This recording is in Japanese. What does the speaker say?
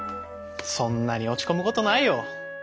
そんなに落ち込むことないよ。